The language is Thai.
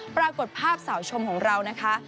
ปรากฏภาพสาวชมของเรานะคะ